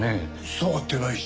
触ってないし。